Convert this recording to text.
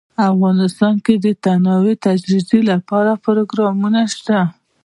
افغانستان د تنوع د ترویج لپاره پروګرامونه لري.